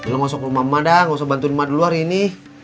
lo masuk rumah emak dah gak usah bantu emak dulu hari ini